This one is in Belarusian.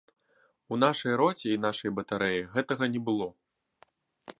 У нашай роце і нашай батарэі гэтага не было.